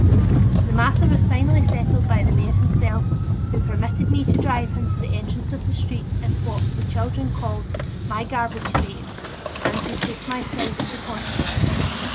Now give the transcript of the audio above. The matter was finally settled by the mayor himself, who permitted me to drive him to the entrance of the street in what the children called my "garbage phaeton" and who took my side of the controversy.